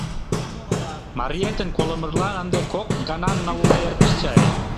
Мариетын колымыжлан ынде кок гана нылле эртыш чай.